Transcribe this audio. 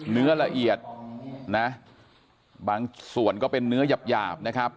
ละเอียดนะบางส่วนก็เป็นเนื้อหยาบนะครับ